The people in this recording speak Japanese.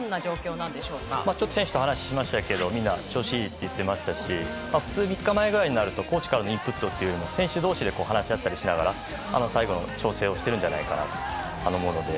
ちょっと選手と話しましたがみんな調子いいと言っていましたし３日前ぐらいとなるとコーチからのインプットは選手同士で話し合ったりしながら選手の調子をしていると思うので。